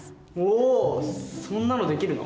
おそんなのできるの？